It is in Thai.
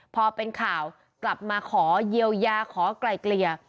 พอเป็นข่าวกลับมาขอเยียวยาขอไกลเกลี่ย